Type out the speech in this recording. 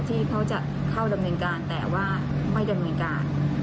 ที่เขาจะเข้าดำเนินการแต่ว่าไม่ดำเนินการ